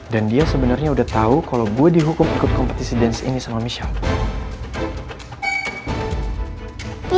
dan dia sebenernya udah tau kalo gue dihukum ikut kompetisi dance ini sama michelle